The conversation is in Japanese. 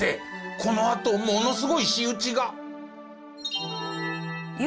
このあとものすごい仕打ちが。